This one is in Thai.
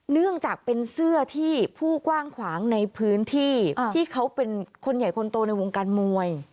เนื่องจากเป็นเสื้อที่ผู้กว้างขวางในพื้นที่ที่เขาเป็นคนใหญ่คนโตในวงการมวย